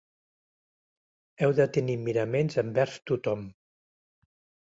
Heu de tenir miraments envers tothom.